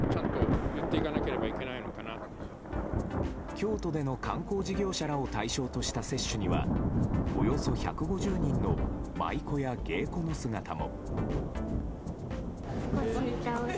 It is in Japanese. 京都での観光事業者らを対象とした接種にはおよそ１５０人の舞妓や芸妓の姿も。